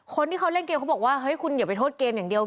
คนที่เขาเล่นเกมเขาบอกว่าเฮ้ยคุณอย่าไปโทษเกมอย่างเดียว